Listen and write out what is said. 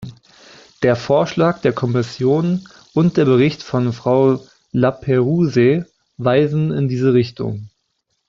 Der Vorschlag der Kommission und der Bericht von Frau Laperrouze weisen in diese Richtung.